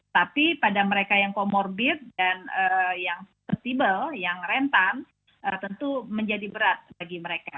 tapi pada mereka yang komorbid dan yang rentan tentu menjadi berat bagi mereka